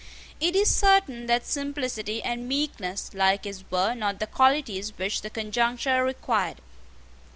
It is certain that simplicity and meekness like his were not the qualities which the conjuncture required.